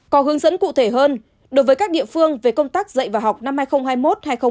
có hướng dẫn cụ thể hơn đối với các địa phương về công tác dạy và học năm hai nghìn hai mươi một hai nghìn hai mươi năm